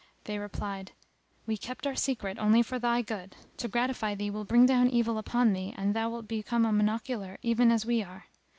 They replied, "We kept our secret only for thy good: to gratify thee will bring down evil upon thee and thou wilt become a monocular even as we are."